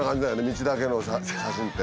道だけの写真って。